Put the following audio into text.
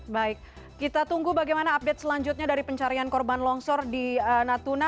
baik kita tunggu bagaimana update selanjutnya dari pencarian korban longsor di natuna